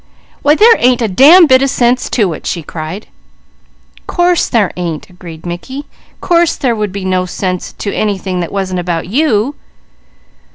"Why they ain't a damn bit of sense to it!" she cried. "Course there ain't!" agreed Mickey. "Course there would be no sense to anything that wasn't about _you!